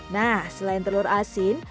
nah selain telur asin